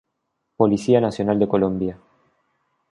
Policía Nacional de Colombia